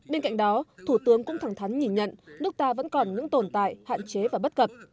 bên cạnh đó thủ tướng cũng thẳng thắn nhìn nhận nước ta vẫn còn những tồn tại hạn chế và bất cập